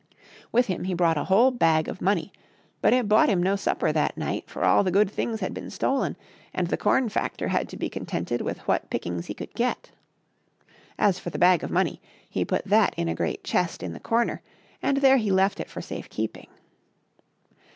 With him he brought a whole bag of money ; but it bought him no supper that night, for all the good things had been stolen, and the com factor had to be contented with what pick ings he could get. As for the bag of money, he put that in a great chest in the comer, and there he left it for safe keeping.